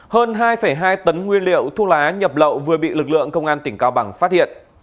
hơn hai hai tấn nguyên liệu thuốc lá nhập lậu vừa bị lực lượng công an tỉnh cao bằng phát hiện